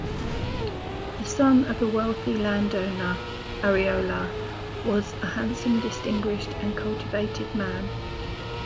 The son of a wealthy landowner, Arriola was a handsome, distinguished and cultivated man.